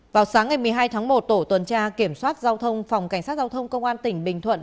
vào sáng ngày một mươi hai tháng một tổ tuần tra kiểm soát giao thông phòng cảnh sát giao thông công an tỉnh bình thuận